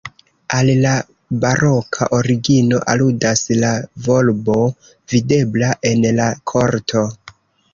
Al la baroka origino aludas la volbo videbla en la korto.